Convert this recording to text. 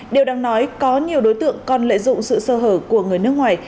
điều đáng nói có nhiều đối tượng còn lợi dụng sự sơ hở của người nước ngoài